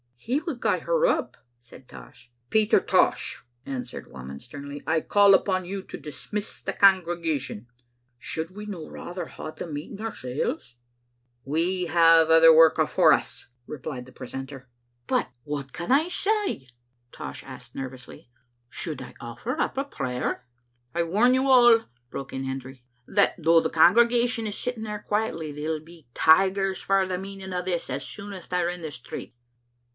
" He would gie her up," said Tosh. "Peter Tosh," answered Whamond sternly, "I call upon you to dismiss the congregation." "Should we no rather hand the meeting oursel's?" " We have other work afore us," replied the precentor. Digitized by VjOOQ IC d(S8 Vbe Xfttle Afntetet* "But what can I say?" Tosh asked nervously. •* Should I oflEer up a prayer?" " I warn you all," broke in Hendry, "that though the congregation is sitting there quietly, they'll be tigers for the meaning o' this as soon as they're in the street.